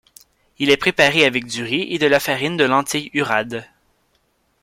Il est préparé avec du riz et de la farine de lentilles urad.